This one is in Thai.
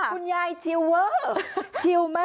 คุณยายเชียวเว้ย